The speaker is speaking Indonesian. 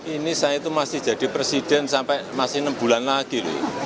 ini saya itu masih jadi presiden sampai masih enam bulan lagi